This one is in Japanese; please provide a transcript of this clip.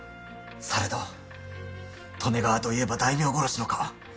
されど利根川といえば大名殺しの川。